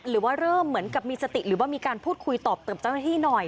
หรือว่าเริ่มเหมือนกับมีสติหรือว่ามีการพูดคุยตอบเติบเจ้าหน้าที่หน่อย